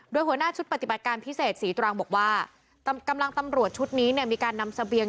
โดยหัวหน้าชุดปฏิบัติการพิเศษศรีตรังบอกว่ากำลังตำรวจชุดนี้เนี่ยมีการนำเสบียง